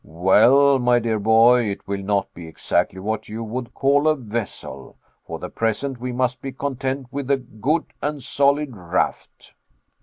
"Well, my dear boy, it will not be exactly what you would call a vessel. For the present we must be content with a good and solid raft."